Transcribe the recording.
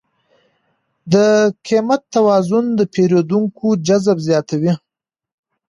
د قیمت توازن د پیرودونکو جذب زیاتوي.